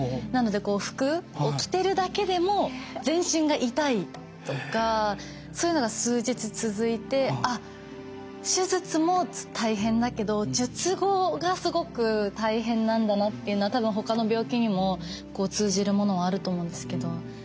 なので服を着てるだけでも全身が痛いとかそういうのが数日続いてあっ手術も大変だけど術後がすごく大変なんだなっていうのは多分ほかの病気にも通じるものはあると思うんですけど。